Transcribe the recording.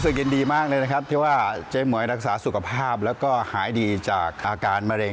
ทะเรียงสุขภาพต้องมาหาผมนะครับ